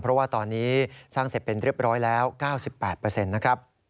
เพราะว่าตอนนี้สร้างเสร็จเป็นเรียบร้อยแล้ว๙๘นะครับ